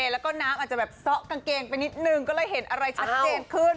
แล้วก็น้ำอาจจะแบบซ่อกางเกงไปนิดนึงก็เลยเห็นอะไรชัดเจนขึ้น